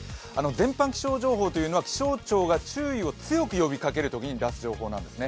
全般気象情報というのは気象庁が注意を強く呼びかけるときに出す予報なんですね。